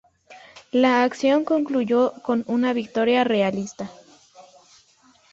La acción concluyó con una victoria realista.